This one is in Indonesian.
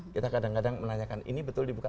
kita kadang kadang menanyakan ini betul dibuka